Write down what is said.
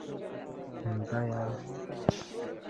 M baya.